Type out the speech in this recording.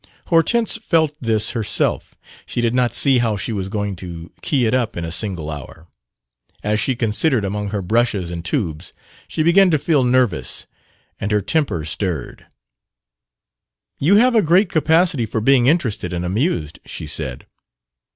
Hortense felt this herself. She did not see how she was going to key it up in a single hour. As she considered among her brushes and tubes, she began to feel nervous, and her temper stirred. "You have a great capacity for being interested and amused," she said.